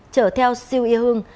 chở theo siêu y hương